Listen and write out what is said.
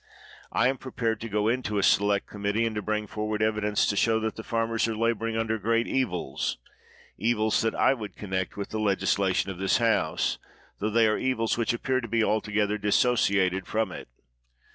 I am prepared to go into a select committee, and to bring forward evidence to show that the farmers are laboring under great evils — evils that I would connect with the legislation of this House, tho they are evils which appear to be altogether dissociated from it.